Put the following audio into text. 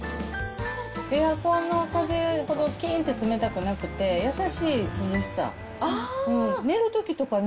エアコンの風ほどきーんと冷たくなくて、優しい涼しさ。